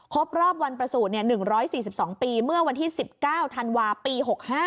ครบรอบวันประสูจน์๑๔๒ปีเมื่อวันที่๑๙ธันวาปี๖๕